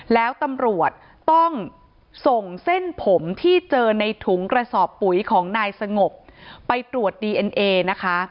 แล้วตำรวจต้องส่งเส้นผมที่เจอในถุงกระสอบปุ๋ยของนายสงบไปตรวจดีเอ็นเอนะคะ